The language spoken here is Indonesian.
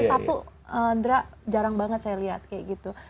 satu indra jarang banget saya lihat kayak gitu